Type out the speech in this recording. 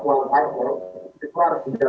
supaya tahapan itu harus dijalankan